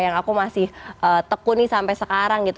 yang aku masih tekuni sampai sekarang gitu